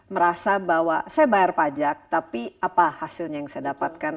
merasa bahwa saya bayar pajak tapi apa hasilnya yang saya dapatkan